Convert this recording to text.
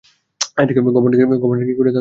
এ দিকে গবর্মেন্ট কী করে তাও বলা যায় না।